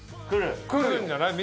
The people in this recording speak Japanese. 来るんじゃない？